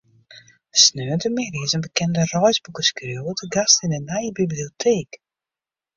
Sneontemiddei is in bekende reisboekeskriuwer te gast yn de nije biblioteek.